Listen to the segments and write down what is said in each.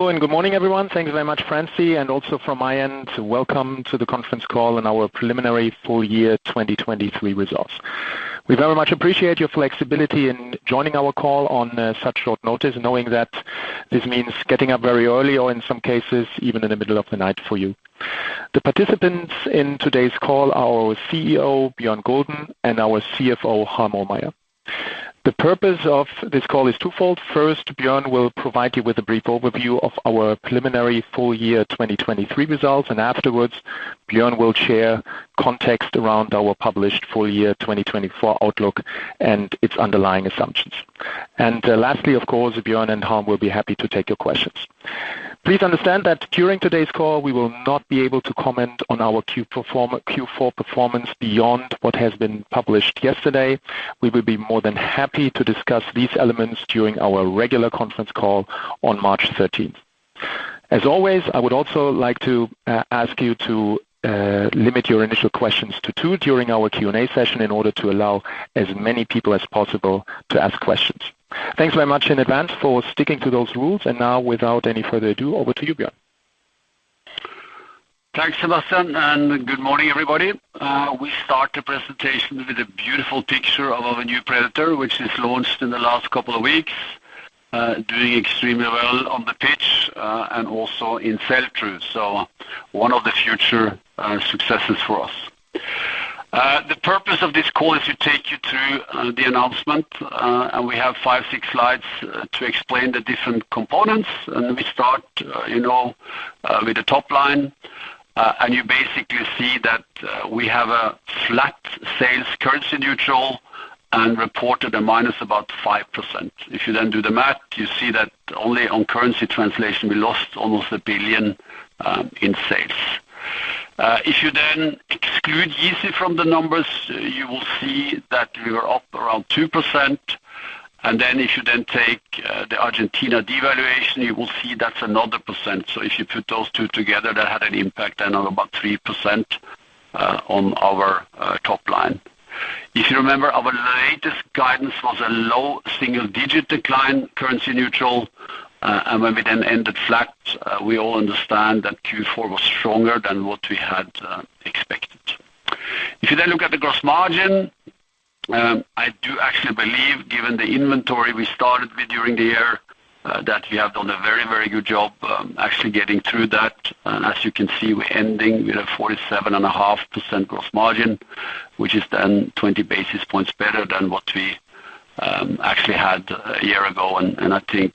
Hello and good morning, everyone. Thanks very much, Francy, and also from my end, welcome to the conference call and our preliminary full year 2023 results. We very much appreciate your flexibility in joining our call on such short notice, knowing that this means getting up very early or in some cases, even in the middle of the night for you. The participants in today's call are our CEO, Bjørn Gulden, and our CFO, Harm Ohlmeyer. The purpose of this call is twofold. First, Bjørn will provide you with a brief overview of our preliminary full year 2023 results, and afterwards, Bjørn will share context around our published full year 2024 outlook and its underlying assumptions. Lastly, of course, Bjørn and Harm will be happy to take your questions. Please understand that during today's call, we will not be able to comment on our Q4 performance beyond what has been published yesterday. We will be more than happy to discuss these elements during our regular conference call on March 13th. As always, I would also like to ask you to limit your initial questions to two during our Q&A session in order to allow as many people as possible to ask questions. Thanks very much in advance for sticking to those rules, and now, without any further ado, over to you, Bjørn. Thanks, Sebastian, and good morning, everybody. We start the presentation with a beautiful picture of our new Predator, which is launched in the last couple of weeks, doing extremely well on the pitch, and also in sell-through. So one of the future successes for us. The purpose of this call is to take you through the announcement, and we have five, six slides to explain the different components. We start, you know, with the top line, and you basically see that we have flat sales, currency neutral and reported -5%. If you then do the math, you see that only on currency translation, we lost almost 1 billion in sales. If you then exclude YEEZY from the numbers, you will see that we were up around 2%, and then if you then take the Argentina devaluation, you will see that's another 1%. So if you put those two together, that had an impact then of about 3% on our top line. If you remember, our latest guidance was a low single-digit decline, currency neutral, and when we then ended flat, we all understand that Q4 was stronger than what we had expected. If you then look at the gross margin, I do actually believe, given the inventory we started with during the year, that we have done a very, very good job actually getting through that. As you can see, we're ending with a 47.5% gross margin, which is then 20 basis points better than what we actually had a year ago. I think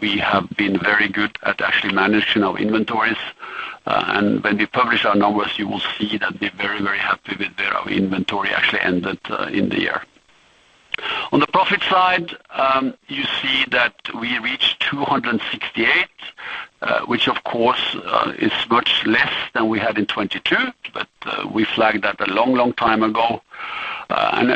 we have been very good at actually managing our inventories. When we publish our numbers, you will see that we're very, very happy with where our inventory actually ended in the year. On the profit side, you see that we reached 268 million, which of course is much less than we had in 2022, but we flagged that a long, long time ago and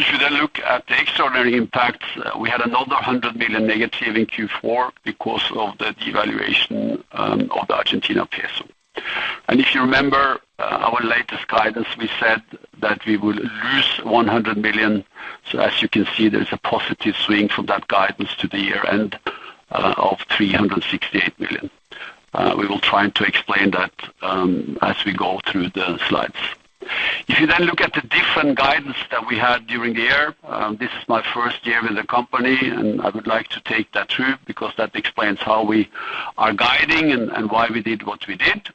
if you then look at the extraordinary impacts, we had another 100 million- in Q4 because of the devaluation of the Argentine peso. If you remember our latest guidance, we said that we would lose 100 million. So as you can see, there's a positive swing from that guidance to the year-end of 368 million. We will try to explain that as we go through the slides. If you then look at the different guidance that we had during the year, this is my first year with the company, and I would like to take that through because that explains how we are guiding and why we did what we did.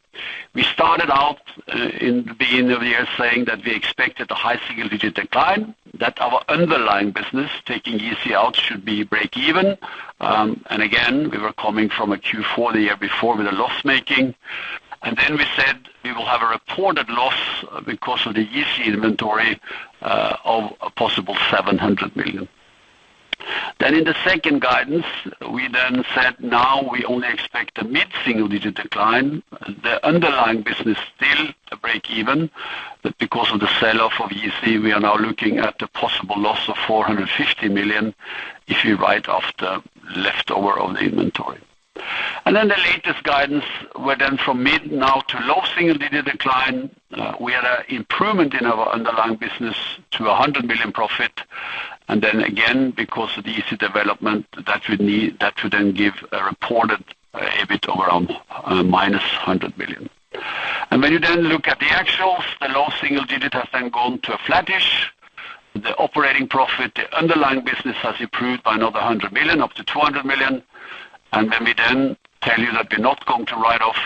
We started out in the beginning of the year saying that we expected a high single-digit decline, that our underlying business, taking YEEZY out, should be break even. Again, we were coming from a Q4 the year before with a loss-making. Then we said we will have a reported loss because of the YEEZY inventory of a possible 700 million. Then in the second guidance, we then said, now we only expect a mid-single-digit decline. The underlying business, still a break even, but because of the sell-off of YEEZY, we are now looking at a possible loss of 450 million if you write off the leftover of the inventory. Then the latest guidance were then from mid now to low single-digit decline. We had an improvement in our underlying business to a 100 million profit. Then again, because of the YEEZY development that we need, that should then give a reported EBIT around -100 million. When you then look at the actuals, the low single digit has then gone to a flattish. The operating profit, the underlying business has improved by another 100 million, up to 200 million. When we then tell you that we're not going to write off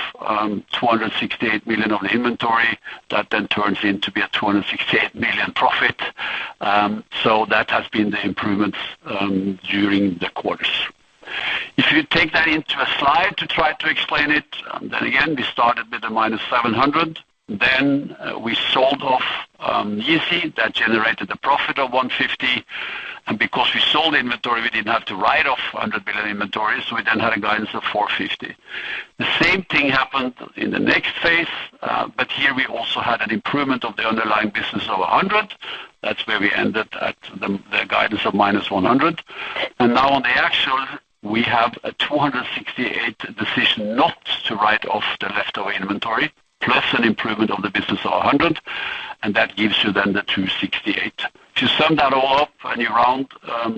268 million of inventory, that then turns into a 268 million profit. So that has been the improvements during the quarters. If you take that into a slide to try to explain it, then again, we started with -700 million, then we sold off YEEZY. That generated a profit of 150, and because we sold the inventory, we didn't have to write off 100 million inventories, so we then had a guidance of 450. The same thing happened in the next phase, but here we also had an improvement of the underlying business of 100. That's where we ended at the guidance of -100 million. Now on the actual, we have a 268 million decision not to write off the leftover inventory, plus an improvement of the business of 100 million and that gives you then the 268 million. To sum that all up and you round,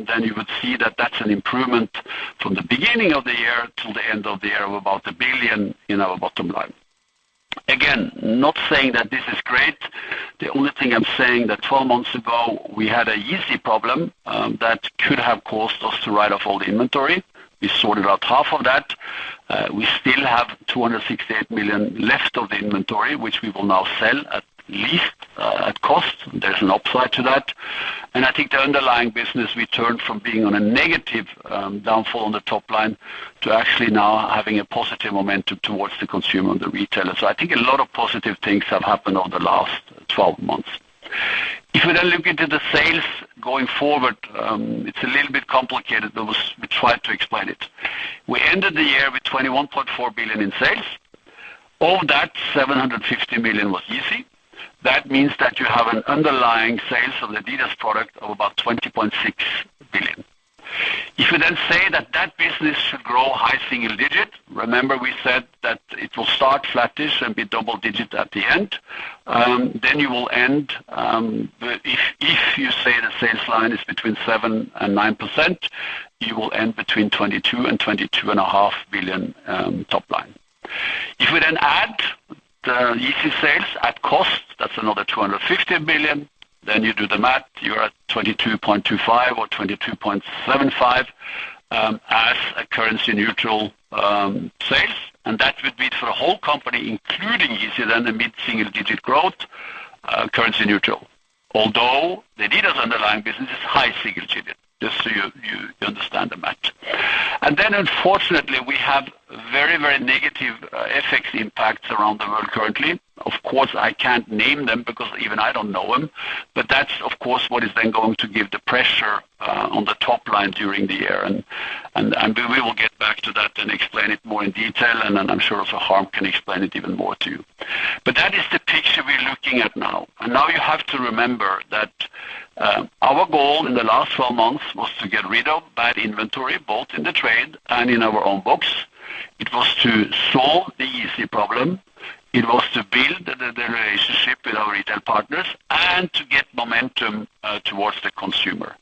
then you would see that that's an improvement from the beginning of the year to the end of the year of about 1 billion in our bottom line. Again, not saying that this is great. The only thing I'm saying that 12 months ago, we had a YEEZY problem, that could have caused us to write off all the inventory. We sorted out half of that. We still have 268 million left of the inventory, which we will now sell at least at cost. There's an upside to that, and I think the underlying business, we turned from being on a negative, downfall on the top line to actually now having a positive momentum towards the consumer and the retailer. So I think a lot of positive things have happened in the last 12 months. If we then look into the sales going forward, it's a little bit complicated, but we, we try to explain it. We ended the year with 21.4 billion in sales. Of that, 750 million was YEEZY. That means that you have an underlying sales of Adidas product of about 20.6 billion. If you then say that that business should grow high single digit, remember we said that it will start flattish and be double digit at the end, then you will end, if you say the sales line is between 7% and 9%, you will end between 22 billion and 22.5 billion, top line. If we then add the YEEZY sales at cost, that's another 250 million, then you do the math, you're at 22.25 billion or 22.75 billion, as a currency neutral sales, and that would be for the whole company, including YEEZY, then the mid-single digit growth, currency neutral. Although Adidas underlying business is high single digit, just so you understand the math. Then, unfortunately, we have very, very negative FX impacts around the world currently. Of course, I can't name them because even I don't know them, but that's, of course, what is then going to give the pressure on the top line during the year and we will get back to that and explain it more in detail, and then I'm sure also Harm can explain it even more to you. But that is the picture we're looking at now. Now you have to remember that our goal in the last four months was to get rid of bad inventory, both in the trade and in our own books. It was to solve the Yeezy problem. It was to build the relationship with our retail partners and to get momentum towards the consumer.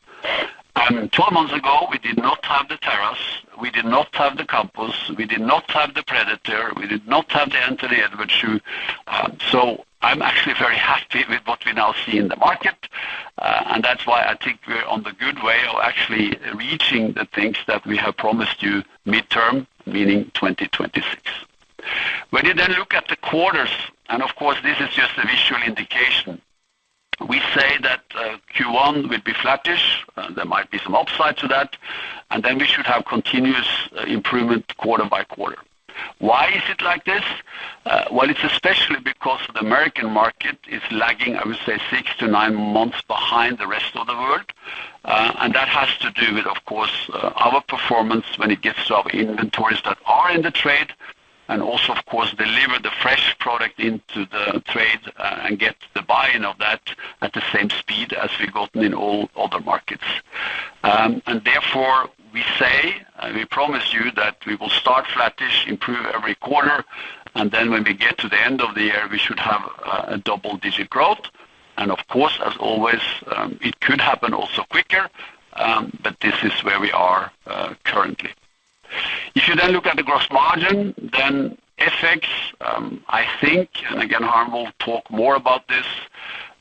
12 months ago, we did not have the Terrace, we did not have the Campus, we did not have the Predator, we did not have the Anthony Edwards shoe. So I'm actually very happy with what we now see in the market, and that's why I think we're on the good way of actually reaching the things that we have promised you mid-term, meaning 2026. When you then look at the quarters, and of course, this is just a visual indication, we say that Q1 will be flattish. There might be some upside to that, and then we should have continuous improvement quarter-by-quarter. Why is it like this? Well, it's especially because the American market is lagging, I would say, 6-9 months behind the rest of the world, and that has to do with, of course, our performance when it gets to our inventories that are in the trade, and also, of course, deliver the fresh product into the trade, and get the buy-in of that at the same speed as we've gotten in all other markets. Therefore, we say, and we promise you that we will start flattish, improve every quarter, and then when we get to the end of the year, we should have a double-digit growth. Of course, as always, it could happen also quicker, but this is where we are, currently. If you then look at the gross margin, then FX, I think, and again, Harm will talk more about this,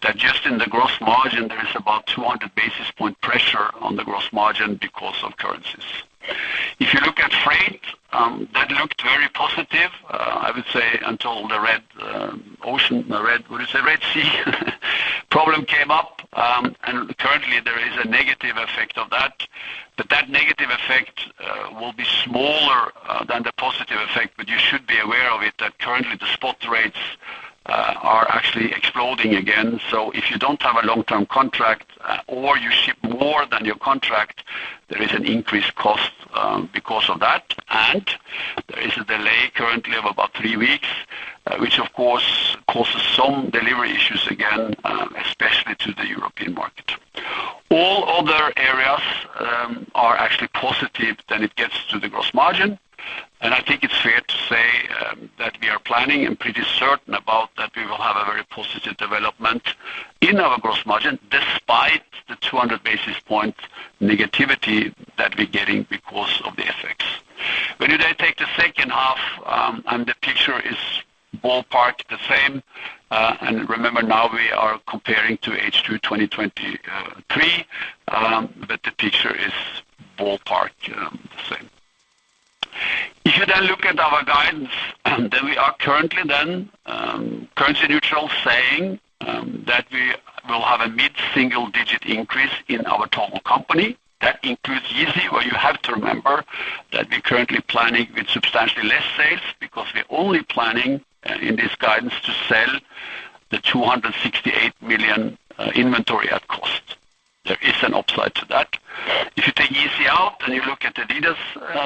that just in the gross margin, there is about 200 basis points pressure on the gross margin because of currencies. If you look at freight, that looked very positive, I would say, until the Red Sea problem came up, and currently, there is a negative effect of that. But that negative effect will be smaller than the positive effect, but you should be aware of it, that currently the spot rates are actually exploding again. If you don't have a long-term contract or you ship more than your contract, there is an increased cost, because of that, and there is a delay currently of about three weeks, which of course causes some delivery issues again, especially to the European market. All other areas are actually positive, then it gets to the gross margin, and I think it's fair to say that we are planning and pretty certain about that we will have a very positive development in our gross margin, despite the 200 basis point negativity that we're getting because of the FX. When you then take the second half, and the picture is ballpark the same, and remember now we are comparing to H2 2023, but the picture is ballpark the same. If you then look at our guidance, then we are currently currency neutral, saying that we will have a mid-single-digit increase in our total company. That includes YEEZY, where you have to remember that we're currently planning with substantially less sales because we're only planning in this guidance to sell the 268 million inventory at cost. There is an upside to that. If you take YEEZY out and you look at Adidas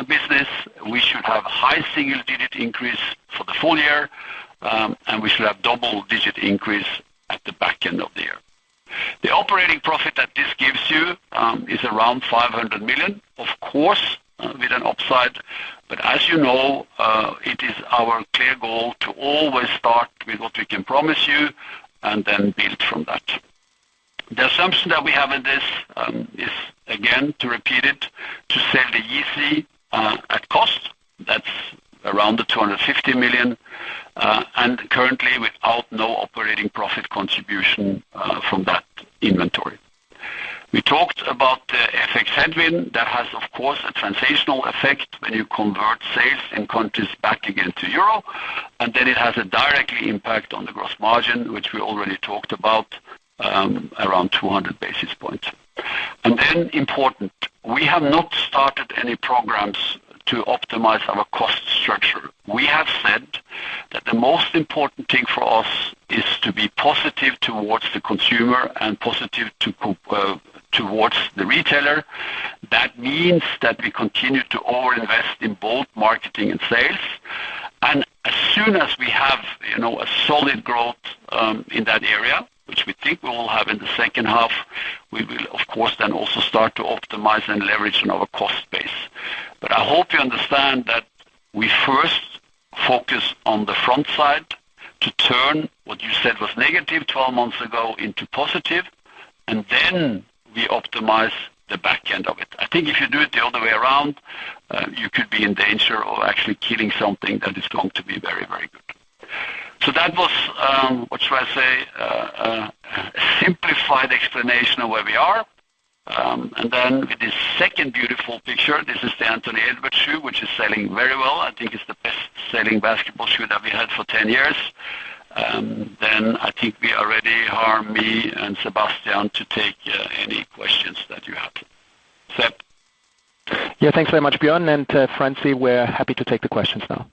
business, we should have high single-digit increase for the full year, and we should have double-digit increase at the back end of the year. The operating profit that this gives you is around 500 million, of course, with an upside. But as you know, it is our clear goal to always start with what we can promise you and then build from that. The assumption that we have in this is, again, to repeat it, to sell the YEEZY at cost. That's around 250 million, and currently without no operating profit contribution from that inventory. We talked about the FX headwind. That has, of course, a transitional effect when you convert sales in countries back again to euro, and then it has a direct impact on the gross margin, which we already talked about, around 200 basis points. Then important, we have not started any programs to optimize our cost structure. We have said that the most important thing for us is to be positive towards the consumer and positive towards the retailer. That means that we continue to overinvest in both marketing and sales, and as soon as we have, you know, a solid growth, in that area, which we think we will have in the second half, we will, of course, then also start to optimize and leverage on our cost base. But I hope you understand that we first focus on the front side to turn what you said was negative 12 months ago into positive, and then we optimize the back end of it. I think if you do it the other way around, you could be in danger of actually killing something that is going to be very, very good. So that was, what should I say? A simplified explanation of where we are. Then with this second beautiful picture, this is the Anthony Edwards shoe, which is selling very well.I think it's the best-selling basketball shoe that we had for 10 years. Then I think we are ready, Harm, me, and Sebastian to take any questions that you have. Seb? Yeah, thanks very much, Bjørn and Francy. We're happy to take the questions now.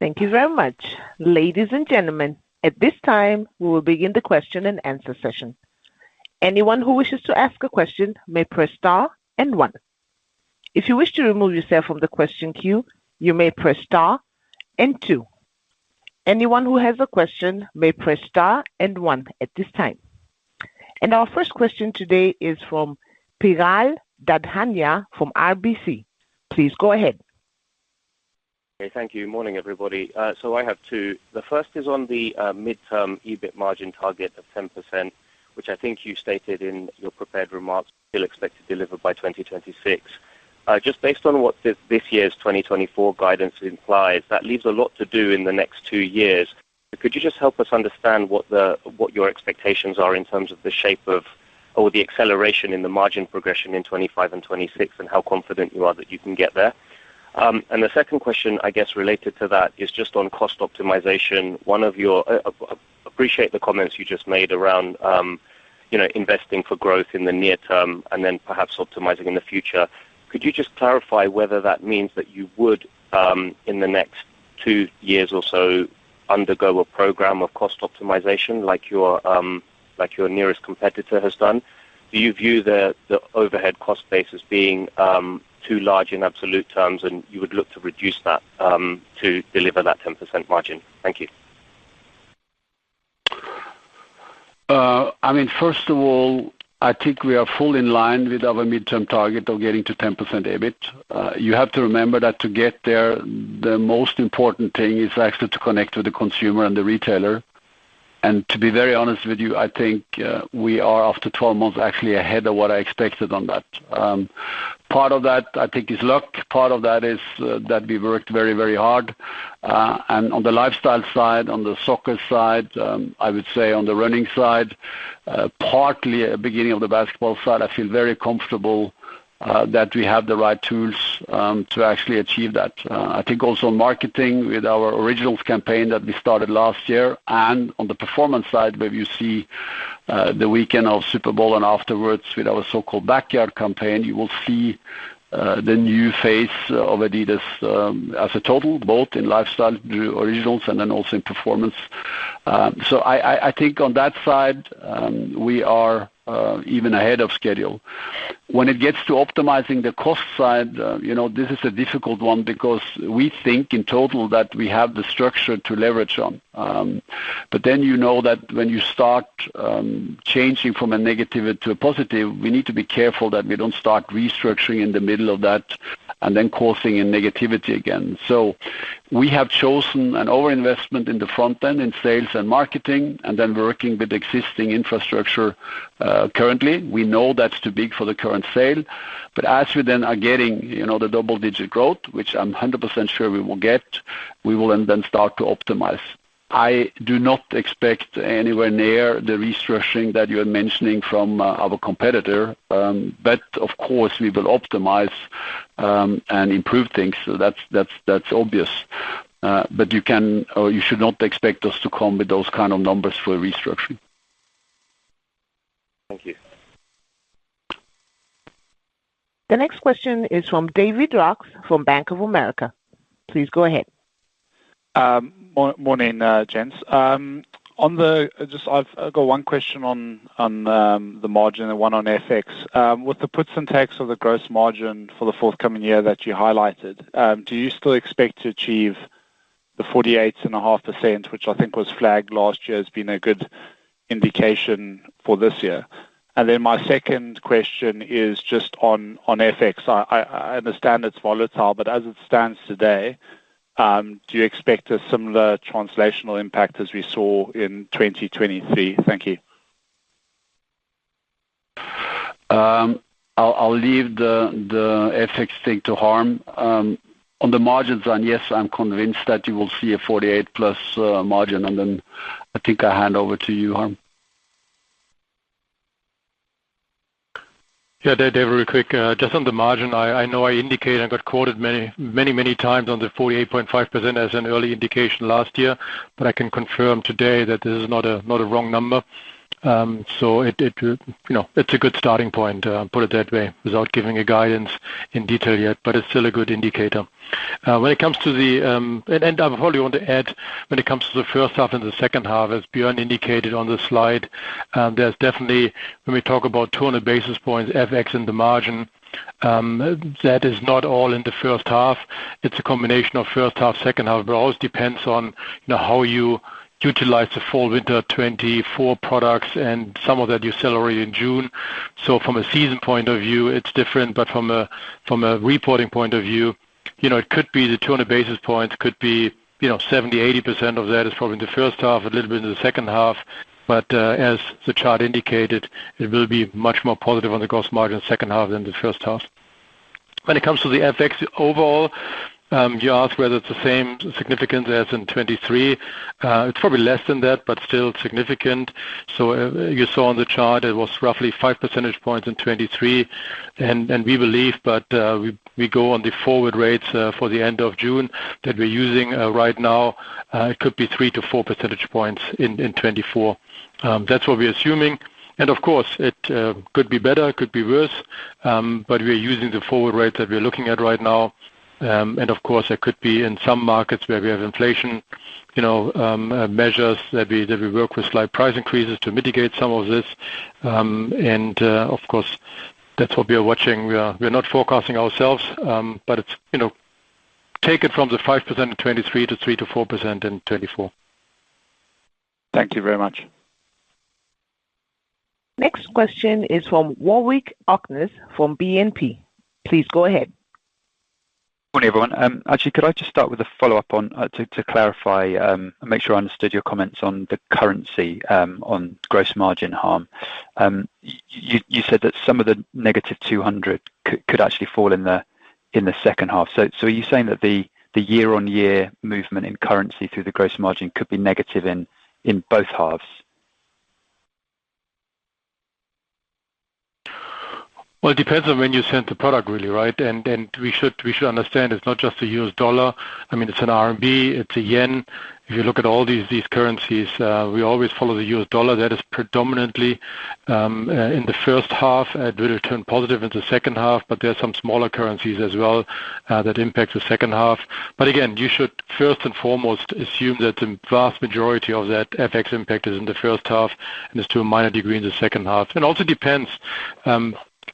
Thank you very much. Ladies and gentlemen, at this time, we will begin the question-and-answer session. Anyone who wishes to ask a question may press star and one. If you wish to remove yourself from the question queue, you may press star and two. Anyone who has a question may press star and one at this time. Our first question today is from Piral Dadhania from RBC. Please go ahead. Okay, thank you. Morning, everybody. So I have two. The first is on the midterm EBIT margin target of 10%, which I think you stated in your prepared remarks, you'll expect to deliver by 2026. Just based on what this, this year's 2024 guidance implies, that leaves a lot to do in the next two years. Could you just help us understand what the... what your expectations are in terms of the shape of or the acceleration in the margin progression in 2025 and 2026, and how confident you are that you can get there? The second question, I guess, related to that, is just on cost optimization. One of your, appreciate the comments you just made around, you know, investing for growth in the near term and then perhaps optimizing in the future. Could you just clarify whether that means that you would, in the next two years or so, undergo a program of cost optimization like your nearest competitor has done? Do you view the overhead cost base as being too large in absolute terms, and you would look to reduce that to deliver that 10% margin? Thank you. I mean, first of all, I think we are full in line with our midterm target of getting to 10% EBIT. You have to remember that to get there, the most important thing is actually to connect with the consumer and the retailer. To be very honest with you, I think we are, after 12 months, actually ahead of what I expected on that. Part of that, I think, is luck. Part of that is that we've worked very, very hard. On the lifestyle side, on the soccer side, I would say on the running side, partly at beginning of the basketball side, I feel very comfortable that we have the right tools to actually achieve that. I think also in marketing with our Originals campaign that we started last year, and on the performance side, where you see the weekend of Super Bowl and afterwards with our so-called Backyard campaign, you will see the new face of Adidas, as a total, both in lifestyle, Originals, and then also in performance. So I think on that side we are even ahead of schedule. When it gets to optimizing the cost side, you know, this is a difficult one because we think in total that we have the structure to leverage on. But then you know that when you start changing from a negative to a positive, we need to be careful that we don't start restructuring in the middle of that and then causing a negativity again. So we have chosen an overinvestment in the front end, in sales and marketing, and then working with the existing infrastructure. Currently, we know that's too big for the current sale, but as we then are getting, you know, the double-digit growth, which I'm 100% sure we will get, we will then, then start to optimize. I do not expect anywhere near the restructuring that you're mentioning from our competitor, but of course, we will optimize and improve things. So that's, that's, that's obvious. But you can or you should not expect us to come with those kind of numbers for restructuring. Thank you. The next question is from David Roux from Bank of America. Please go ahead. Morning, gents. Just, I've got one question on the margin and one on FX. With the puts and takes of the gross margin for the forthcoming year that you highlighted, do you still expect to achieve the 48.5%, which I think was flagged last year, has been a good indication for this year. Then my second question is just on FX. I understand it's volatile, but as it stands today, do you expect a similar translational impact as we saw in 2023? Thank you. I'll leave the FX thing to Harm. On the margins, yes, I'm convinced that you will see a 48+ margin. Then I think I hand over to you, Harm. Yeah, Dave, real quick, just on the margin, I know I indicated I got quoted many, many, many times on the 48.5 as an early indication last year, but I can confirm today that this is not a wrong number. So it, you know, it's a good starting point, put it that way, without giving a guidance in detail yet, but it's still a good indicator. When it comes to the... And I probably want to add, when it comes to the first half and the second half, as Bjørn indicated on the slide, there's definitely, when we talk about 200 basis points, FX in the margin, that is not all in the first half. It's a combination of first half, second half, but it always depends on, you know, how you utilize the fall, winter 2024 products and some of that you sell already in June. So from a season point of view, it's different, but from a reporting point of view, you know, it could be the 200 basis points, could be, you know, 70%-80% of that is probably in the first half, a little bit in the second half. But as the chart indicated, it will be much more positive on the gross margin second half than the first half. When it comes to the FX overall, you ask whether it's the same significance as in 2023. It's probably less than that, but still significant. So you saw on the chart it was roughly 5 percentage points in 2023, and we believe, but we go on the forward rates for the end of June that we're using right now, it could be 3-4 percentage points in 2024. That's what we're assuming. Of course, it could be better, could be worse, but we are using the forward rate that we're looking at right now. Of course, there could be in some markets where we have inflation, you know, measures that we work with slight price increases to mitigate some of this and of course, that's what we are watching. We are, we're not forecasting ourselves, but it's, you know, take it from the 5% in 2023 to 3%-4% in 2024. Thank you very much. Next question is from Warwick Okines from BNP. Please go ahead. Morning, everyone. Actually, could I just start with a follow-up on to clarify and make sure I understood your comments on the currency on gross margin Harm. You said that some of the -200 could actually fall in the second half. So are you saying that the year-on-year movement in currency through the gross margin could be negative in both halves? Well, it depends on when you sent the product really, right? We should understand it's not just the U.S. dollar. I mean, it's an RMB, it's a yen. If you look at all these currencies, we always follow the U.S. dollar. That is predominantly in the first half, it will turn positive in the second half, but there are some smaller currencies as well that impact the second half. But again, you should first and foremost assume that the vast majority of that FX impact is in the first half and is to a minor degree in the second half. It also depends,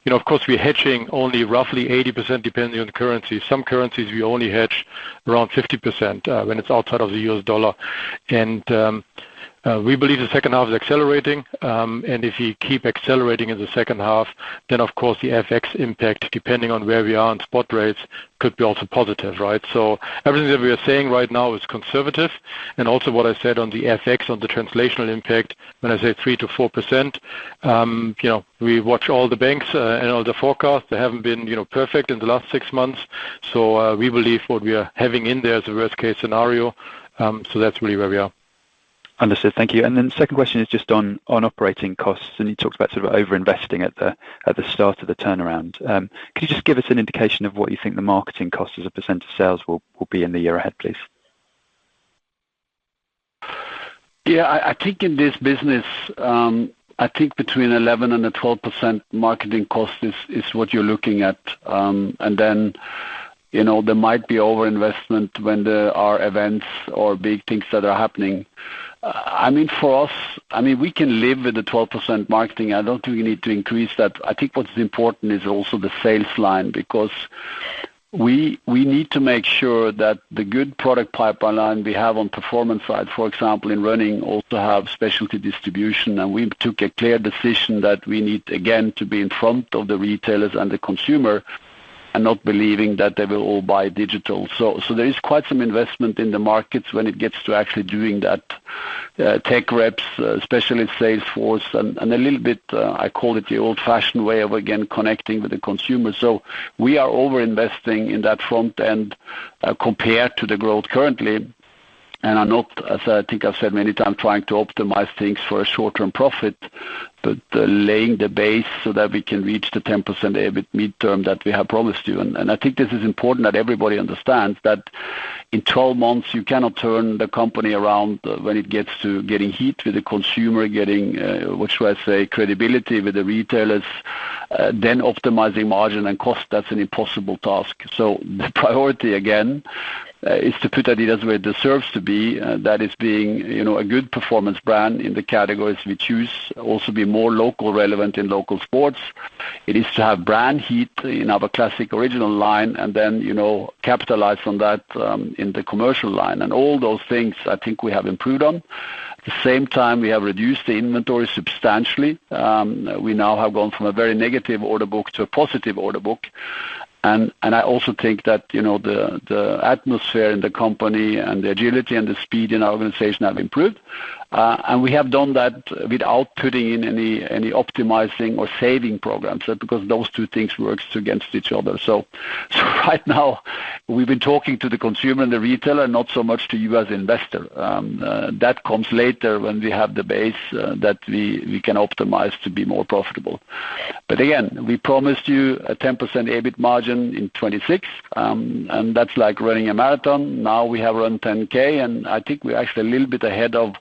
you know, of course, we're hedging only roughly 80%, depending on the currency. Some currencies, we only hedge around 50%, when it's outside of the U.S. dollar. We believe the second half is accelerating, and if you keep accelerating in the second half, then of course, the FX impact, depending on where we are in spot rates, could be also positive, right? So everything that we are saying right now is conservative, and also what I said on the FX, on the translational impact, when I say 3%-4%, you know, we watch all the banks, and all the forecasts. They haven't been, you know, perfect in the last six months. So, we believe what we are having in there is a worst-case scenario. So that's really where we are. Understood. Thank you. Then the second question is just on operating costs, and you talked about sort of overinvesting at the start of the turnaround. Could you just give us an indication of what you think the marketing cost as a percent of sales will be in the year ahead, please? Yeah, I think in this business, I think between 11% and 12% marketing cost is what you're looking at. Then, you know, there might be overinvestment when there are events or big things that are happening. I mean, for us, I mean, we can live with the 12% marketing. I don't think we need to increase that. I think what is important is also the sales line, because we need to make sure that the good product pipeline we have on performance side, for example, in running, also have specialty distribution and we took a clear decision that we need, again, to be in front of the retailers and the consumer, and not believing that they will all buy digital. So there is quite some investment in the markets when it gets to actually doing that. Tech reps, especially sales force and, and a little bit, I call it the old-fashioned way of, again, connecting with the consumer. So we are overinvesting in that front end, compared to the growth currently, and are not, as I think I've said many times, trying to optimize things for a short-term profit, but laying the base so that we can reach the 10% EBIT midterm that we have promised you. I think this is important that everybody understands that in 12 months, you cannot turn the company around when it gets to getting heat with the consumer, getting, what should I say, credibility with the retailers, then optimizing margin and cost, that's an impossible task. So the priority again is to put Adidas where it deserves to be. That is being, you know, a good performance brand in the categories we choose, also be more local, relevant in local sports. It is to have brand heat in our classic original line and then, you know, capitalize on that in the commercial line, and all those things, I think we have improved on. At the same time, we have reduced the inventory substantially. We now have gone from a very negative order book to a positive order book. I also think that, you know, the atmosphere in the company and the agility and the speed in our organization have improved and we have done that without putting in any optimizing or saving programs, because those two things works against each other. So right now, we've been talking to the consumer and the retailer, not so much to you as investor. That comes later when we have the base that we can optimize to be more profitable. But again, we promised you a 10% EBIT margin in 2026, and that's like running a marathon. Now we have run 10K, and I think we're actually a little bit ahead of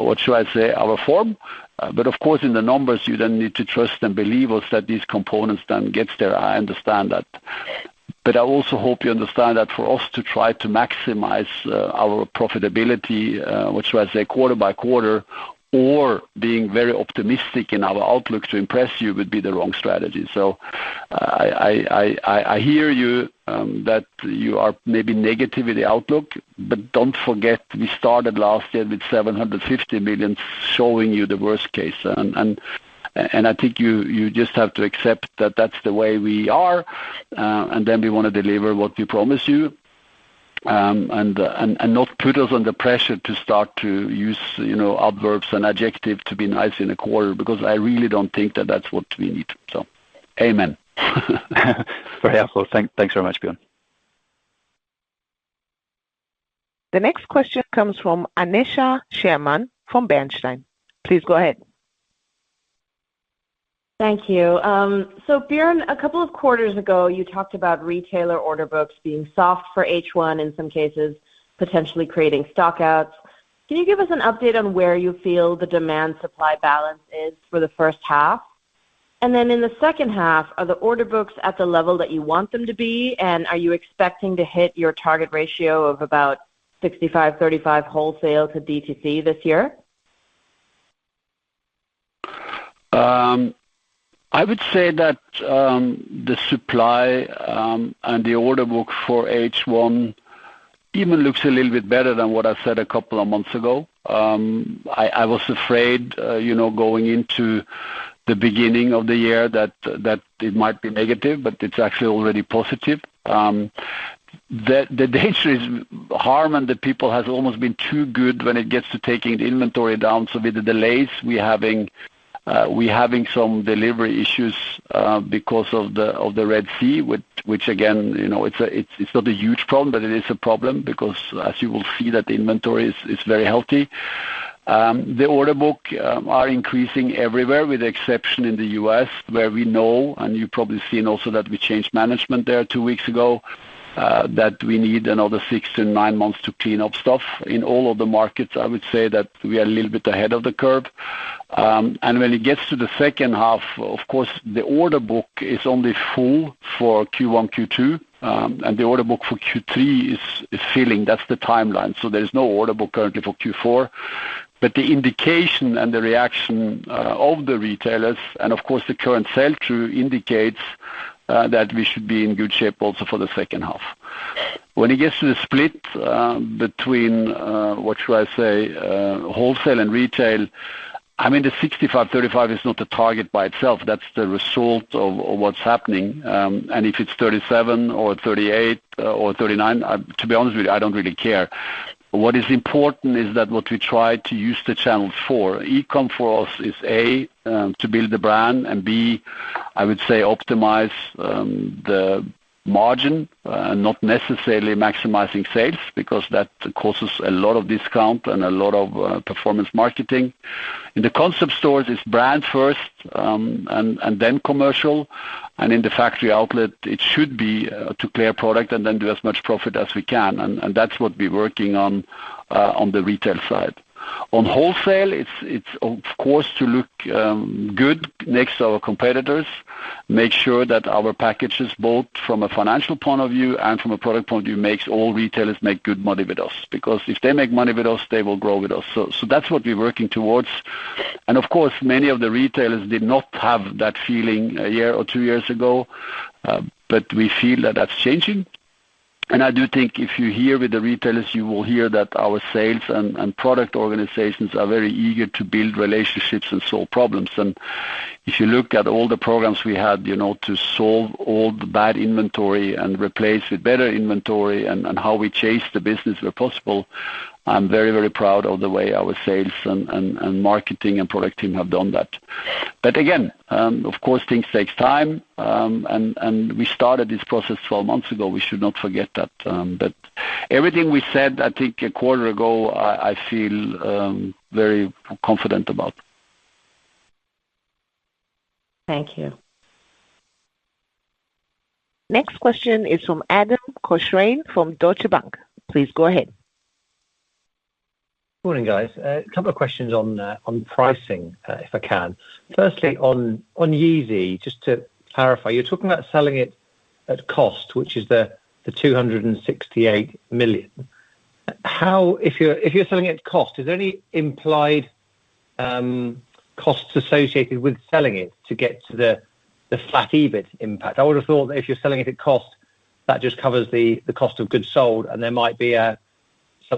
what should I say? Our form. But of course, in the numbers, you then need to trust and believe us that these components then gets there. I understand that. But I also hope you understand that for us to try to maximize our profitability, what should I say, quarter-by-quarter, or being very optimistic in our outlook to impress you would be the wrong strategy. So I hear you that you are maybe negative with the outlook, but don't forget, we started last year with 750 million, showing you the worst case and I think you just have to accept that that's the way we are, and then we want to deliver what we promise you, and not put us under pressure to start to use, you know, adverbs and adjectives to be nice in a quarter, because I really don't think that that's what we need. So, amen. Very helpful. Thank, thanks very much, Bjørn. The next question comes from Aneesha Sherman from Bernstein. Please go ahead. Thank you. So Bjørn, a couple of quarters ago, you talked about retailer order books being soft for H1, in some cases, potentially creating stock outs. Can you give us an update on where you feel the demand-supply balance is for the first half? Then in the second half, are the order books at the level that you want them to be, and are you expecting to hit your target ratio of about 65-35 wholesale to DTC this year? I would say that the supply and the order book for H1 even looks a little bit better than what I said a couple of months ago. I was afraid, you know, going into the beginning of the year that it might be negative, but it's actually already positive. The danger is, Harm, and the people has almost been too good when it gets to taking the inventory down. So with the delays, we having some delivery issues because of the Red Sea, which again, you know, it's not a huge problem, but it is a problem, because as you will see, that the inventory is very healthy. The order book are increasing everywhere, with the exception in the U.S., where we know, and you've probably seen also, that we changed management there two weeks ago, that we need another 6-9 months to clean up stuff. In all of the markets, I would say that we are a little bit ahead of the curve. When it gets to the second half, of course, the order book is only full for Q1, Q2, and the order book for Q3 is filling. That's the timeline. So there's no order book currently for Q4. But the indication and the reaction of the retailers and of course, the current sell-through, indicates that we should be in good shape also for the second half. When it gets to the split, between what should I say wholesale and retail, I mean, the 65/35 is not the target by itself. That's the result of what's happening and if it's 37 or 38 or 39, to be honest with you, I don't really care. What is important is that what we try to use the channel for. E-com for us is, A, to build the brand, and B, I would say optimize the margin, not necessarily maximizing sales, because that causes a lot of discount and a lot of performance marketing. In the concept stores, it's brand first, and then commercial, and in the factory outlet, it should be to clear product and then do as much profit as we can and that's what we're working on, on the retail side. On wholesale, it's of course to look good next to our competitors, make sure that our package is both from a financial point of view and from a product point of view, makes all retailers make good money with us, because if they make money with us, they will grow with us. So that's what we're working towards. Of course, many of the retailers did not have that feeling a year or two years ago, but we feel that that's changing and I do think if you're here with the retailers, you will hear that our sales and product organizations are very eager to build relationships and solve problems. If you look at all the programs we had, you know, to solve all the bad inventory and replace with better inventory and how we chase the business where possible, I'm very, very proud of the way our sales and marketing and product team have done that. But again, of course, things takes time, and we started this process 12 months ago. We should not forget that, but everything we said, I think a quarter ago, I feel very confident about. Thank you. Next question is from Adam Cochrane from Deutsche Bank. Please go ahead. Morning, guys. A couple of questions on pricing, if I can. Firstly, on YEEZY, just to clarify, you're talking about selling it at cost, which is the 268 million. If you're selling at cost, is there any implied costs associated with selling it to get to the flat EBIT impact? I would have thought that if you're selling it at cost, that just covers the cost of goods sold, and there might be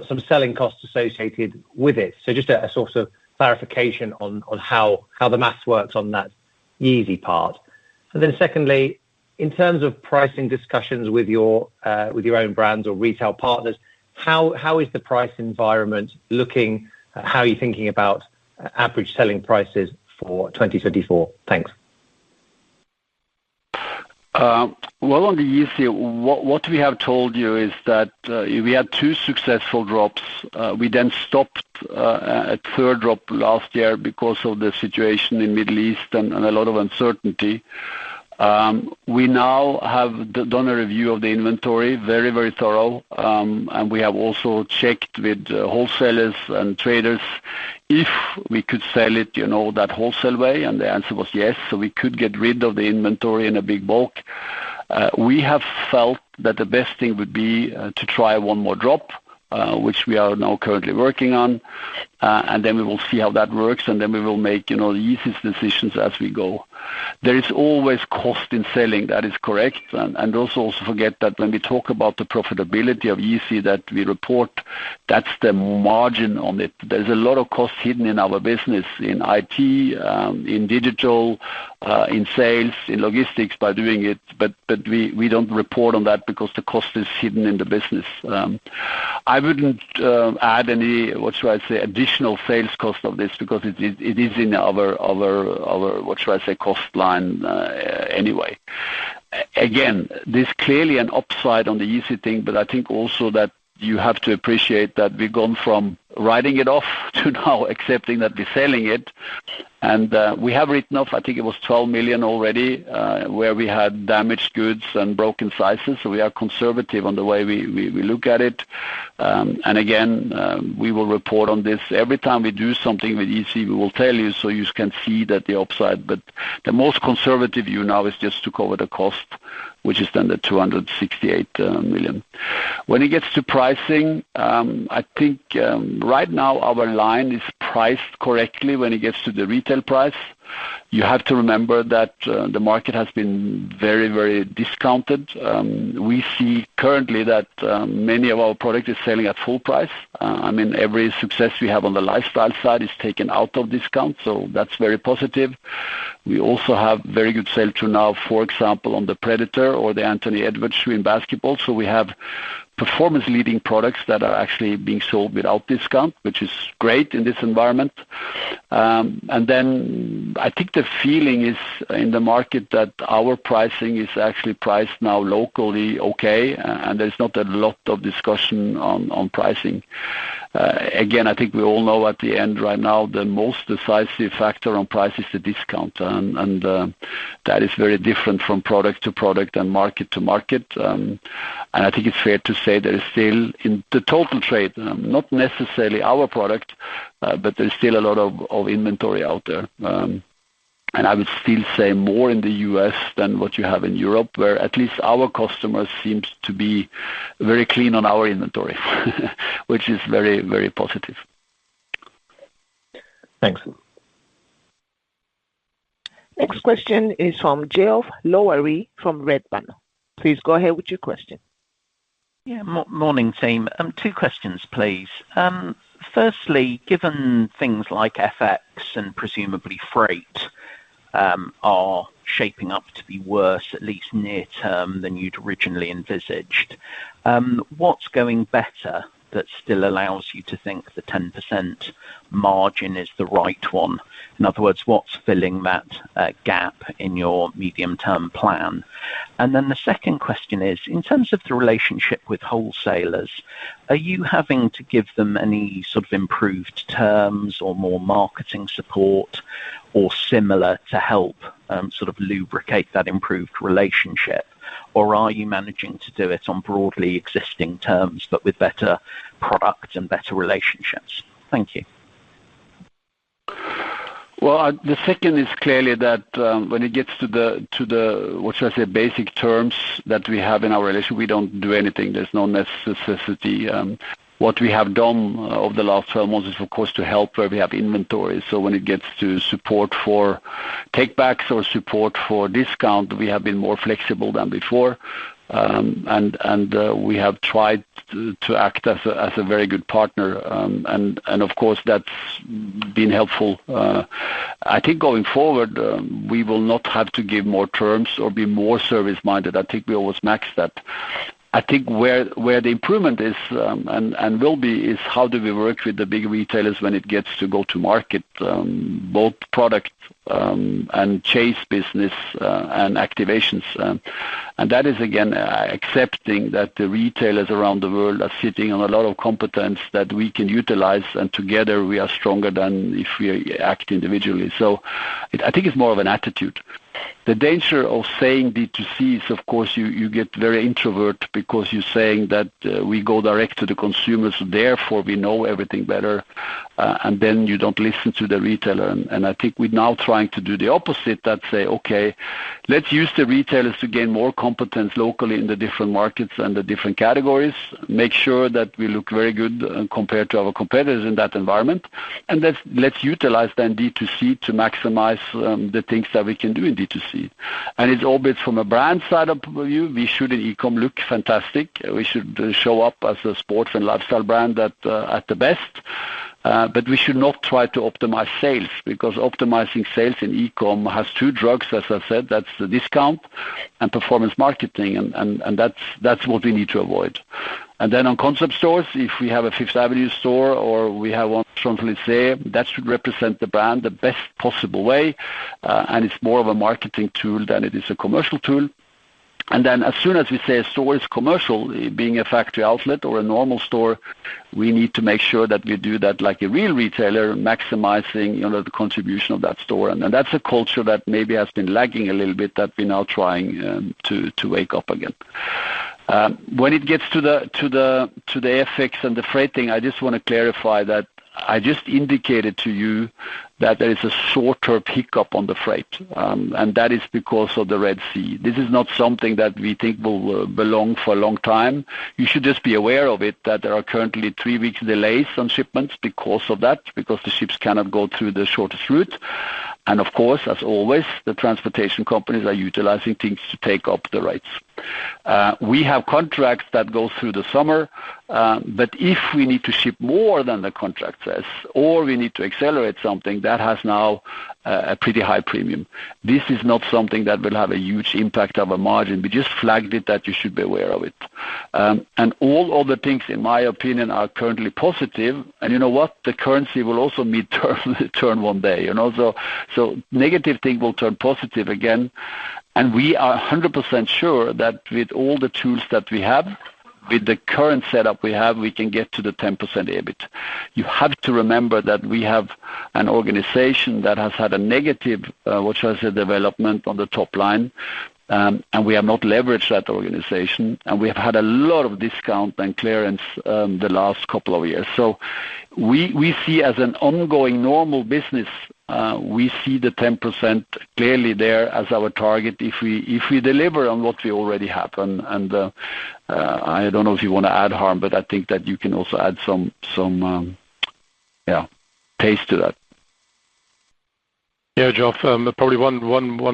some selling costs associated with it. So just a sort of clarification on how the math works on that YEEZY part. Then secondly, in terms of pricing discussions with your own brands or retail partners, how is the price environment looking? How are you thinking about average selling prices for 2024? Thanks. Well, on the YEEZY, what we have told you is that we had two successful drops. We then stopped at third drop last year because of the situation in Middle East and a lot of uncertainty. We now have done a review of the inventory, very, very thorough, and we have also checked with wholesalers and traders if we could sell it, you know, that wholesale way, and the answer was yes, so we could get rid of the inventory in a big bulk. We have felt that the best thing would be to try one more drop, which we are now currently working on, and then we will see how that works, and then we will make, you know, the easiest decisions as we go. There is always cost in selling, that is correct, and also forget that when we talk about the profitability of YEEZY that we report, that's the margin on it. There's a lot of costs hidden in our business, in IT, in digital, in sales, in logistics by doing it, but we don't report on that because the cost is hidden in the business. I wouldn't add any, what should I say, additional sales cost of this because it is in our, our, what should I say, cost line, anyway. Again, there's clearly an upside on the YEEZY thing, but I think also that you have to appreciate that we've gone from writing it off to now accepting that we're selling it. We have written off, I think it was 12 million already, where we had damaged goods and broken sizes, so we are conservative on the way we look at it. Again, we will report on this. Every time we do something with YEEZY, we will tell you, so you can see that the upside, but the most conservative view now is just to cover the cost, which is then the 268 million. When it gets to pricing, I think, right now our line is priced correctly when it gets to the retail price. You have to remember that, the market has been very, very discounted. We see currently that, many of our product is selling at full price. I mean, every success we have on the lifestyle side is taken out of discount, so that's very positive. We also have very good sell-through now, for example, on the Predator or the Anthony Edwards shoe in basketball. So we have performance leading products that are actually being sold without discount, which is great in this environment. Then I think the feeling is, in the market, that our pricing is actually priced now locally okay, and there's not a lot of discussion on pricing. Again, I think we all know at the end, right now, the most decisive factor on price is the discount, and that is very different from product to product and market to market. I think it's fair to say there is still, in the total trade, not necessarily our product, but there's still a lot of inventory out ther and I would still say more in the U.S. than what you have in Europe, where at least our customers seems to be very clean on our inventory, which is very, very positive. Thanks. Next question is from Geoff Lowery from Redburn Atlantic. Please go ahead with your question. Yeah, morning, team. Two questions, please. Firstly, given things like FX and presumably freight are shaping up to be worse, at least near term, than you'd originally envisaged, what's going better that still allows you to think the 10% margin is the right one? In other words, what's filling that gap in your medium-term plan? Then the second question is, in terms of the relationship with wholesalers, are you having to give them any sort of improved terms or more marketing support or similar to help sort of lubricate that improved relationship or are you managing to do it on broadly existing terms, but with better product and better relationships? Thank you. Well, the second is clearly that, when it gets to the basic terms that we have in our relationship, we don't do anything. There's no necessity. What we have done over the last 12 months is, of course, to help where we have inventory. So when it gets to support for takebacks or support for discount, we have been more flexible than before. We have tried to act as a very good partner. Of course, that's been helpful. I think going forward, we will not have to give more terms or be more service-minded. I think we always max that. I think where the improvement is, and will be, is how do we work with the big retailers when it gets to go to market, both product and chase business, and activations? That is, again, accepting that the retailers around the world are sitting on a lot of competence that we can utilize, and together we are stronger than if we act individually. So I think it's more of an attitude. The danger of saying DTC is, of course, you get very introvert because you're saying that we go direct to the consumers, therefore, we know everything better. Then you don't listen to the retailer. I think we're now trying to do the opposite, that say, okay, let's use the retailers to gain more competence locally in the different markets and the different categories, make sure that we look very good, compared to our competitors in that environment, and let's utilize then DTC to maximize, the things that we can do in DTC. It orbits from a brand side of view. We should in e-com look fantastic. We should show up as a sports and lifestyle brand at, at the best, but we should not try to optimize sales, because optimizing sales in e-com has two drugs. As I said, that's the discount and performance marketing, and that's what we need to avoid. On concept stores, if we have a Fifth Avenue store or we have one Champs-Élysées, that should represent the brand the best possible way, and it's more of a marketing tool than it is a commercial tool. As soon as we say a store is commercial, being a factory outlet or a normal store, we need to make sure that we do that like a real retailer, maximizing, you know, the contribution of that store. That's a culture that maybe has been lagging a little bit, that we're now trying to wake up again. When it gets to the FX and the freight thing, I just want to clarify that I just indicated to you that there is a shorter pickup on the freight, and that is because of the Red Sea. This is not something that we think will belong for a long time. You should just be aware of it, that there are currently three weeks delays on shipments because of that, because the ships cannot go through the shortest route. Of course, as always, the transportation companies are utilizing things to take up the rates. We have contracts that go through the summer, but if we need to ship more than the contract says, or we need to accelerate something, that has now a pretty high premium. This is not something that will have a huge impact on our margin. We just flagged it that you should be aware of it. All other things, in my opinion, are currently positive and you know what? The currency will also be turned, turned one day, you know. So, so negative thing will turn positive again, and we are 100% sure that with all the tools that we have, with the current setup we have, we can get to the 10% EBIT. You have to remember that we have an organization that has had a negative, what should I say, development on the top line, and we have not leveraged that organization, and we have had a lot of discount and clearance, the last couple of years. So we see as an ongoing normal business, we see the 10% clearly there as our target if we deliver on what we already have. I don't know if you want to add, Harm, but I think that you can also add some, some, yeah, taste to that. Yeah, Geoff, probably one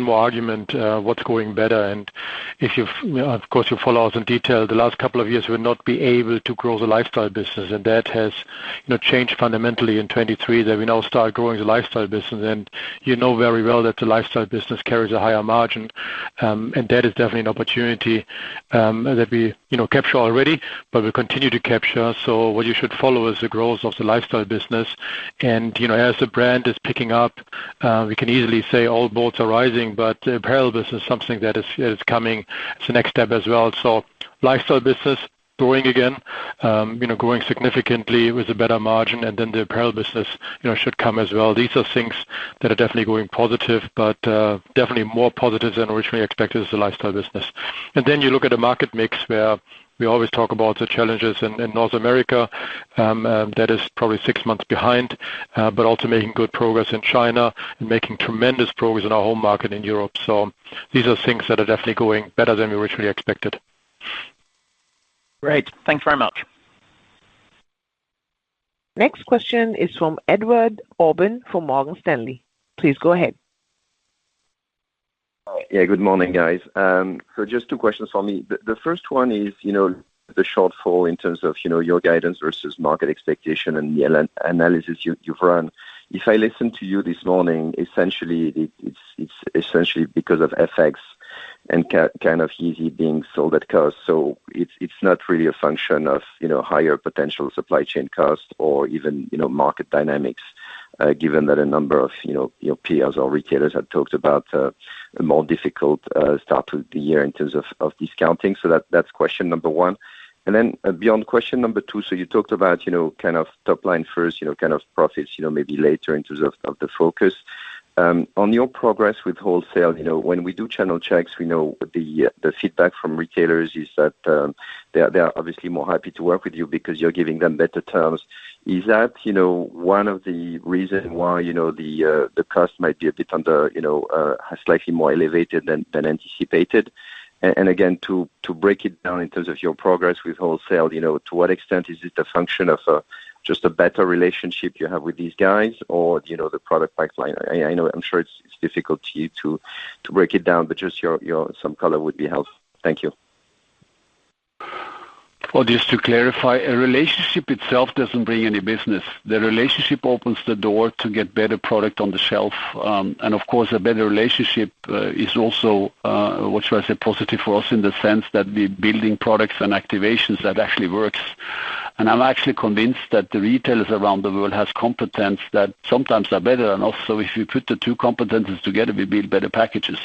more argument, what's going better, and if you've... Of course, you follow us in detail. The last couple of years, we've not been able to grow the lifestyle business, and that has, you know, changed fundamentally in 2023, that we now start growing the lifestyle business. You know very well that the lifestyle business carries a higher margin, and that is definitely an opportunity, that we, you know, capture already, but we continue to capture. So what you should follow is the growth of the lifestyle business and, you know, as the brand is picking up, we can easily say all boats are rising, but the apparel business is something that is coming. It's the next step as well. So lifestyle business growing again, you know, growing significantly with a better margin, and then the apparel business, you know, should come as well. These are things that are definitely going positive, but, definitely more positive than originally expected is the lifestyle business. Then you look at the market mix, where we always talk about the challenges in North America, and that is probably six months behind, but also making good progress in China and making tremendous progress in our home market in Europe. So these are things that are definitely going better than we originally expected. Great. Thanks very much. Next question is from Edouard Aubin, from Morgan Stanley. Please go ahead. Yeah, good morning, guys. So just two questions for me. The first one is, you know, the shortfall in terms of, you know, your guidance versus market expectation and the analysis you've run. If I listen to you this morning, essentially, it's essentially because of FX and kind of YEEZY being sold at cost. So it's not really a function of, you know, higher potential supply chain costs or even, you know, market dynamics, given that a number of, you know, your peers or retailers have talked about a more difficult start to the year in terms of discounting. So that's question number one. Then beyond question number two, so you talked about, you know, kind of top line first, you know, kind of profits, you know, maybe later in terms of the focus. On your progress with wholesale, you know, when we do channel checks, we know the, the feedback from retailers is that, they are, they are obviously more happy to work with you because you're giving them better terms. Is that, you know, one of the reason why, you know, the, the cost might be a bit under, you know, slightly more elevated than anticipated? Again, to break it down in terms of your progress with wholesale, you know, to what extent is it a function of, just a better relationship you have with these guys or, you know, the product pipeline? I know... I'm sure it's difficult to you to break it down, but just some color would be helpful. Thank you. Well, just to clarify, a relationship itself doesn't bring any business. The relationship opens the door to get better product on the shelf and of course, a better relationship is also, what should I say, positive for us in the sense that we're building products and activations that actually works. I'm actually convinced that the retailers around the world has competence that sometimes are better than us. So if you put the two competencies together, we build better packages.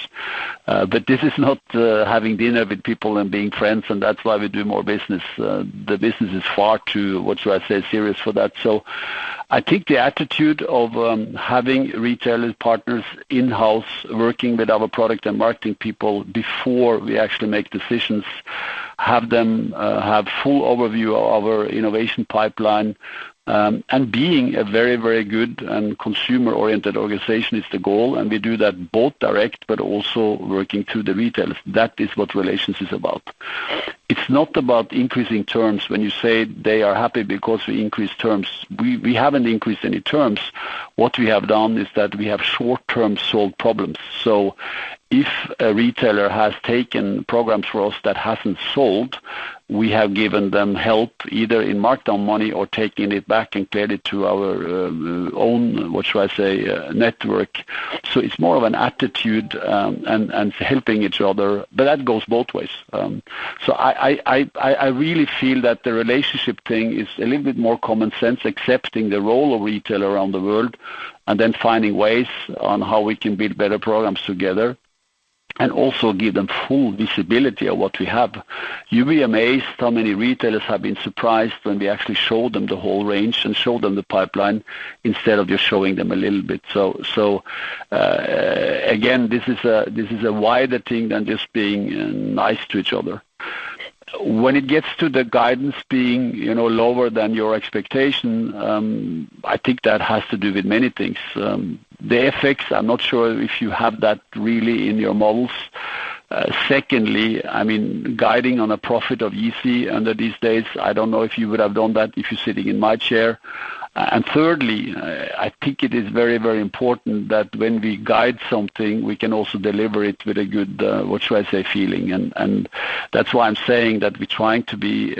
But this is not having dinner with people and being friends, and that's why we do more business. The business is far too, what should I say, serious for that. So I think the attitude of having retailers, partners in-house, working with our product and marketing people before we actually make decisions-... Have them have full overview of our innovation pipeline, and being a very, very good and consumer-oriented organization is the goal, and we do that both direct, but also working through the retailers. That is what relations is about. It's not about increasing terms. When you say they are happy because we increase terms, we haven't increased any terms. What we have done is that we have short-term solved problems. So if a retailer has taken programs for us that hasn't sold, we have given them help, either in markdown money or taking it back and get it to our own, what should I say, network. So it's more of an attitude, and helping each other, but that goes both ways. So I really feel that the relationship thing is a little bit more common sense, accepting the role of retailer around the world, and then finding ways on how we can build better programs together, and also give them full visibility of what we have. You'll be amazed how many retailers have been surprised when we actually show them the whole range and show them the pipeline instead of just showing them a little bit. So again, this is a wider thing than just being nice to each other. When it gets to the guidance being, you know, lower than your expectation, I think that has to do with many things. The effects, I'm not sure if you have that really in your models. Secondly, I mean, guiding on a profit of EBIT under these days, I don't know if you would have done that if you're sitting in my chair. Thirdly, I think it is very, very important that when we guide something, we can also deliver it with a good, what should I say, feeling. That's why I'm saying that we're trying to be,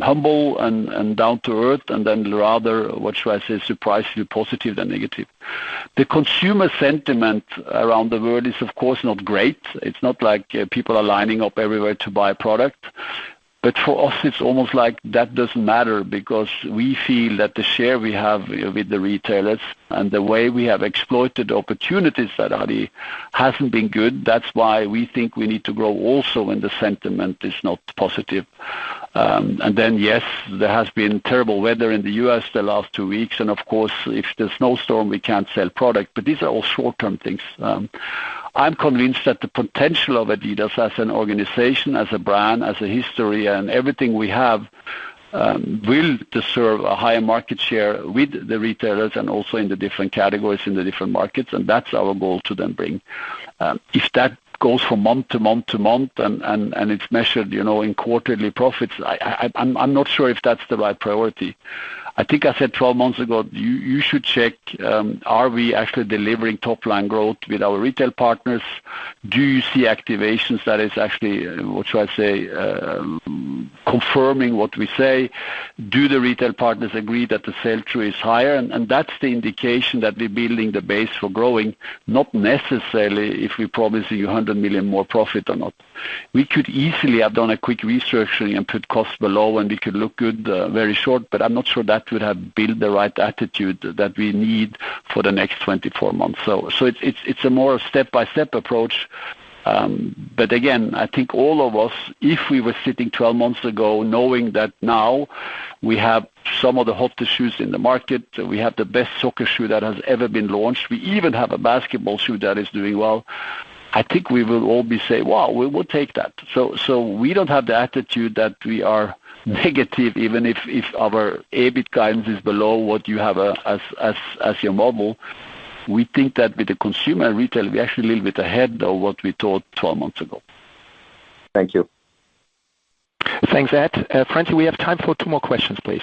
humble and down to earth, and then rather, what should I say, surprisingly positive than negative. The consumer sentiment around the world is, of course, not great. It's not like people are lining up everywhere to buy a product. But for us, it's almost like that doesn't matter because we feel that the share we have with the retailers and the way we have exploited opportunities that already hasn't been good, that's why we think we need to grow also when the sentiment is not positive. Then, yes, there has been terrible weather in the U.S. the last two weeks, and of course, if there's snowstorm, we can't sell product, but these are all short-term things. I'm convinced that the potential of Adidas as an organization, as a brand, as a history, and everything we have, will deserve a higher market share with the retailers and also in the different categories, in the different markets, and that's our goal to then bring. If that goes from month to month to month, and it's measured, you know, in quarterly profits, I'm not sure if that's the right priority. I think I said 12 months ago, you should check, are we actually delivering top-line growth with our retail partners? Do you see activations that is actually, what should I say, confirming what we say? Do the retail partners agree that the sell-through is higher? That's the indication that we're building the base for growing, not necessarily if we promising you 100 million more profit or not. We could easily have done a quick research and put costs below, and we could look good, very short, but I'm not sure that would have built the right attitude that we need for the next 24 months. So it's a more step-by-step approach. But again, I think all of us, if we were sitting 12 months ago knowing that now we have some of the hottest shoes in the market, we have the best soccer shoe that has ever been launched, we even have a basketball shoe that is doing well, I think we will all be saying, "Wow, we will take that." So we don't have the attitude that we are negative, even if our EBIT guidance is below what you have as your model. We think that with the consumer retail, we're actually a little bit ahead of what we thought 12 months ago. Thank you. Thanks, Ed. Francy, we have time for two more questions, please.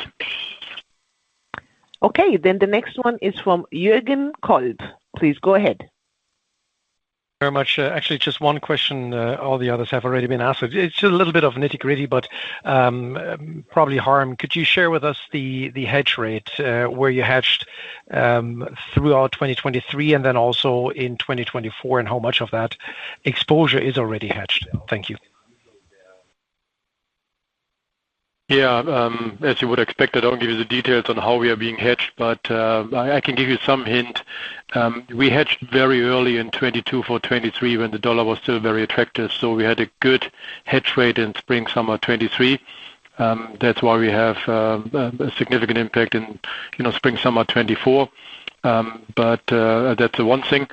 Okay, then the next one is from Jürgen Kolb. Please, go ahead. Very much. Actually, just one question, all the others have already been asked. It's just a little bit of nitty-gritty, but, probably, Harm, could you share with us the, the hedge rate, where you hedged, throughout 2023 and then also in 2024, and how much of that exposure is already hedged? Thank you. Yeah, as you would expect, I don't give you the details on how we are being hedged, but I can give you some hint. We hedged very early in 2022 for 2023, when the dollar was still very attractive, so we had a good hedge rate in spring, summer 2023. That's why we have a significant impact in, you know, spring, summer 2024. But that's the one thing.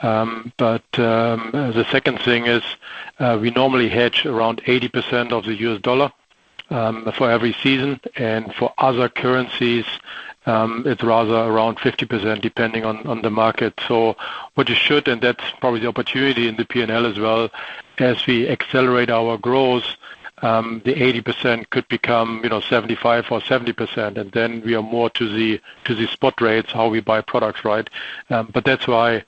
But the second thing is, we normally hedge around 80% of the U.S. dollar for every season, and for other currencies, it's rather around 50%, depending on the market. So what you should, and that's probably the opportunity in the P&L as well, as we accelerate our growth, the 80% could become, you know, 75% or 70%, and then we are more to the, to the spot rates, how we buy products, right? But that's why,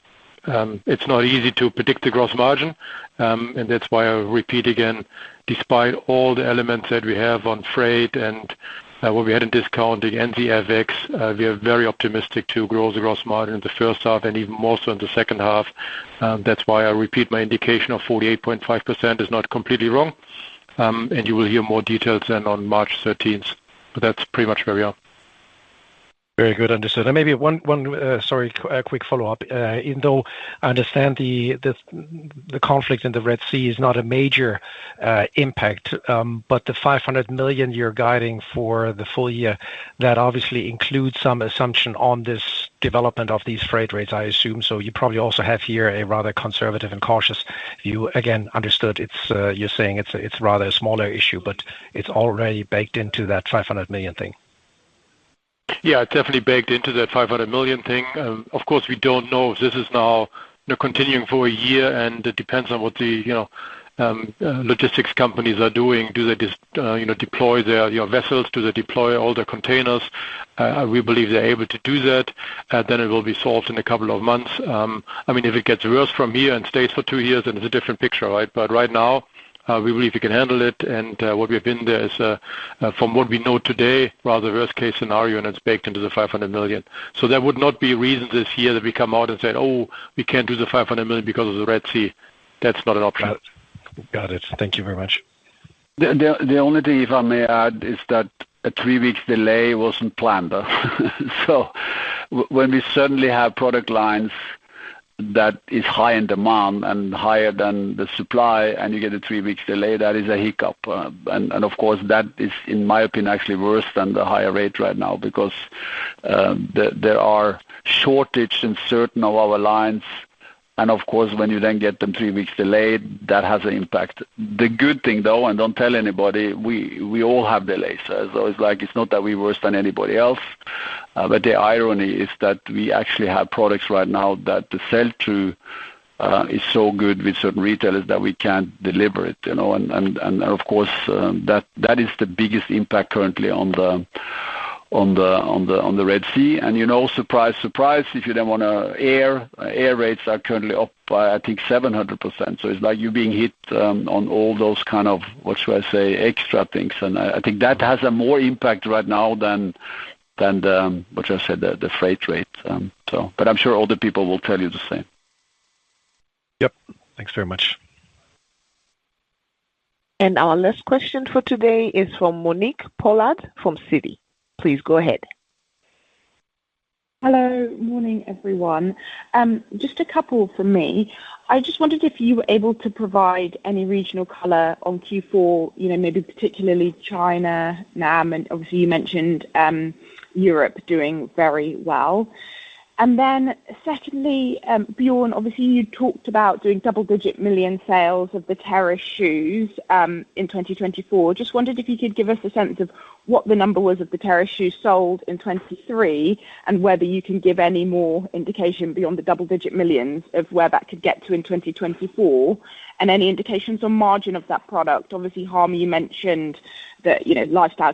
it's not easy to predict the gross margin, and that's why I repeat again, despite all the elements that we have on freight and, what we had in discounting and the FX, we are very optimistic to grow the gross margin in the first half and even more so in the second half. That's why I repeat my indication of 48.5% is not completely wrong, and you will hear more details then on March thirteenth. But that's pretty much where we are. Very good. Understood. Maybe one quick follow-up. Even though I understand the conflict in the Red Sea is not a major impact, but the 500 million you're guiding for the full year, that obviously includes some assumption on this development of these freight rates, I assume. So you probably also have here a rather conservative and cautious view. Again, understood, you're saying it's a rather smaller issue, but it's already baked into that 500 million thing? Yeah, it's definitely baked into that 500 million thing. Of course, we don't know if this is now, you know, continuing for a year, and it depends on what the, you know, logistics companies are doing. Do they just, you know, deploy their, your vessels? Do they deploy all the containers? We believe they're able to do that, then it will be solved in a couple of months. I mean, if it gets worse from here and stays for two years, then it's a different picture, right? But right now, we believe we can handle it, and, what we have been there is, from what we know today, rather worst case scenario, and it's baked into the 500 million. There would not be a reason this year that we come out and say, "Oh, we can't do the 500 million because of the Red Sea." That's not an option. Got it. Thank you very much. The only thing, if I may add, is that a three-week delay wasn't planned, so when we certainly have product lines that is high in demand and higher than the supply, and you get a three-week delay, that is a hiccup. Of course, that is, in my opinion, actually worse than the higher rate right now, because there are shortage in certain of our lines, and of course, when you then get them three weeks delayed, that has an impact. The good thing, though, and don't tell anybody, we all have delays. So it's like, it's not that we're worse than anybody else, but the irony is that we actually have products right now that the sell-through is so good with certain retailers that we can't deliver it, you know? Of course, that is the biggest impact currently on the Red Sea. You know, surprise, surprise, if you then wanna air, air rates are currently up by, I think, 700%. So it's like you're being hit on all those kind of extra things. I think that has a more impact right now than the freight rate. But I'm sure other people will tell you the same. Yep. Thanks very much. Our last question for today is from Monique Pollard from Citi. Please go ahead. Hello. Morning, everyone. Just a couple from me. I just wondered if you were able to provide any regional color on Q4, you know, maybe particularly China, NAM, and obviously, you mentioned Europe doing very well. Then secondly, Bjørn, obviously, you talked about doing double-digit million sales of the Terrace shoes in 2024. Just wondered if you could give us a sense of what the number was of the Terrace shoes sold in 2023, and whether you can give any more indication beyond the double-digit millions of where that could get to in 2024, and any indications on margin of that product. Obviously, Harm, you mentioned that, you know, lifestyle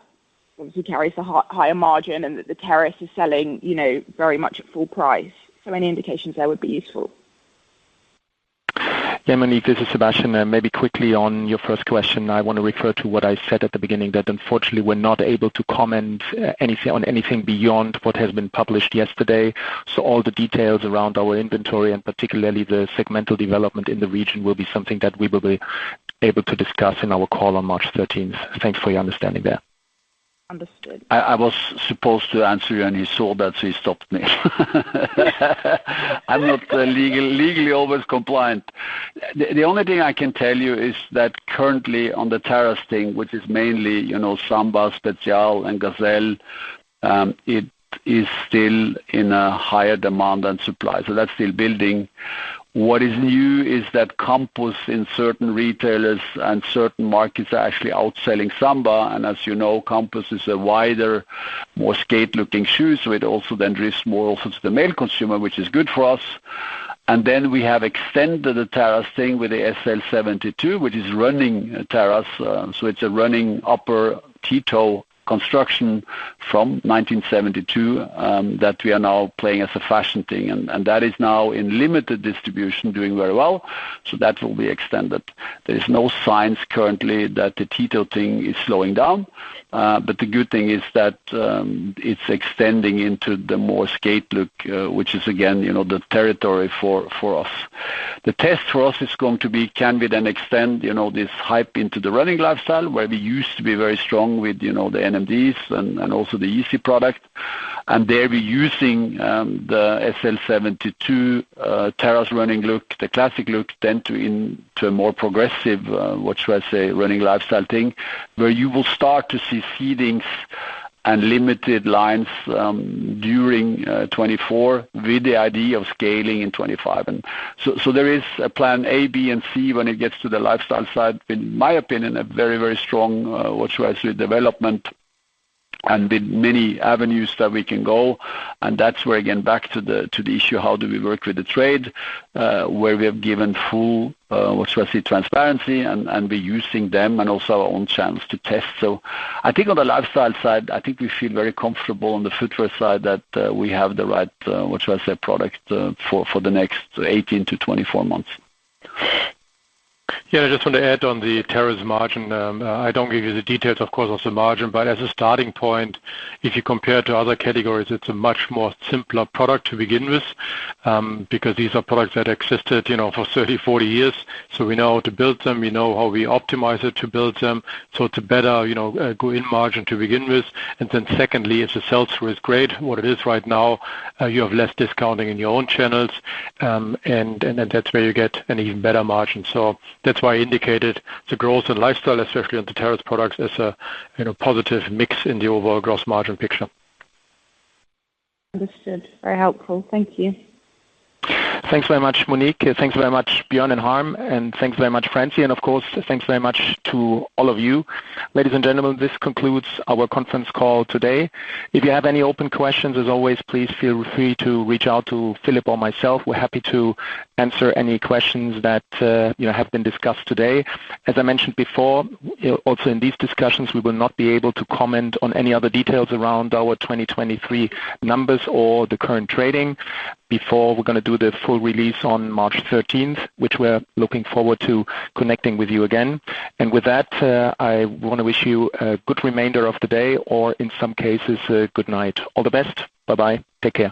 obviously carries a higher margin and that the Terrace is selling, you know, very much at full price. So any indications there would be useful. Yeah, Monique, this is Sebastian. Maybe quickly on your first question, I want to refer to what I said at the beginning, that unfortunately, we're not able to comment on anything beyond what has been published yesterday. So all the details around our inventory, and particularly the segmental development in the region, will be something that we will be able to discuss in our call on March 13th. Thanks for your understanding there. Understood. I was supposed to answer you, and he saw that, so he stopped me. I'm not legally always compliant. The only thing I can tell you is that currently on the Terrace thing, which is mainly, you know, Samba, Spezial, and Gazelle, it is still in a higher demand and supply, so that's still building. What is new is that Campus in certain retailers and certain markets are actually outselling Samba, and as you know, Campus is a wider, more skate-looking shoe, so it also then drifts more also to the male consumer, which is good for us. Then we have extended the Terrace thing with the SL 72, which is running Terrace, so it's a running upper T-toe construction from 1972, that we are now playing as a fashion thing and that is now in limited distribution, doing very well, so that will be extended. There is no signs currently that the T-toe thing is slowing down, but the good thing is that, it's extending into the more skate look, which is, again, you know, the territory for, for us. The test for us is going to be, can we then extend, you know, this hype into the running lifestyle, where we used to be very strong with, you know, the NMDs and also the YEEZY product. There we're using, the SL 72, Terrace running look, the classic look, then to a more progressive, what should I say, running lifestyle thing, where you will start to see seedings and limited lines, during 2024, with the idea of scaling in 2025. So there is a plan A, B, and C when it gets to the lifestyle side. In my opinion, a very, very strong, what should I say? Development, and with many avenues that we can go, and that's where, again, back to the issue, how do we work with the trade, where we have given full, what should I say? Transparency and we're using them and also our own channels to test. So I think on the lifestyle side, I think we feel very comfortable on the footwear side that we have the right, what should I say, product for the next 18-24 months. Yeah, I just want to add on the Terrace margin. I don't give you the details, of course, of the margin, but as a starting point, if you compare to other categories, it's a much more simpler product to begin with, because these are products that existed, you know, for 30-40 years. So we know how to build them, we know how we optimize it to build them, so it's a better, you know, good margin to begin with. Then secondly, if the sell-through is great, what it is right now, you have less discounting in your own channels, and, and then that's where you get an even better margin. So that's why I indicated the growth in lifestyle, especially on the Terrace products, as a, you know, positive mix in the overall gross margin picture. Understood. Very helpful. Thank you. Thanks very much, Monique. Thanks very much, Bjørn and Harm, and thanks very much, Francy, and of course, thanks very much to all of you. Ladies and gentlemen, this concludes our conference call today. If you have any open questions, as always, please feel free to reach out to Philipp or myself. We're happy to answer any questions that, you know, have been discussed today. As I mentioned before, you know, also in these discussions, we will not be able to comment on any other details around our 2023 numbers or the current trading before we're gonna do the full release on March 13th, which we're looking forward to connecting with you again. With that, I wanna wish you a good remainder of the day or, in some cases, a good night. All the best. Bye-bye. Take care.